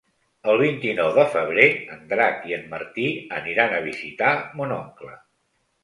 El vint-i-nou de febrer en Drac i en Martí aniran a visitar mon oncle.